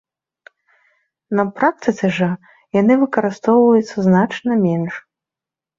На практыцы жа яны выкарыстоўваюцца значна менш.